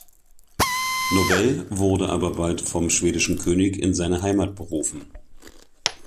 Nobel wurde aber bald vom schwedischen König in seine Heimat berufen.